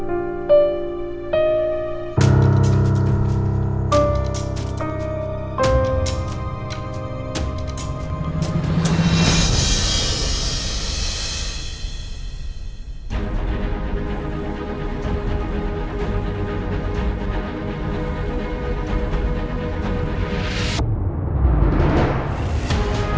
ibu panggilnya suster ya